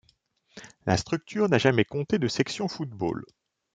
La structure n'a jamais compté de section football.